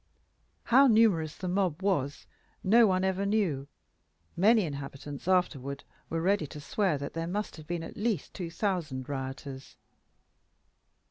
How numerous the mob was, no one ever knew: many inhabitants afterward were ready to swear that there must have been at least two thousand rioters.